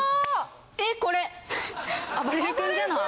えっこれあばれる君じゃない？